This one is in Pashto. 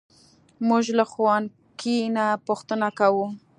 موږ له ښوونکي نه پوښتنې کوو.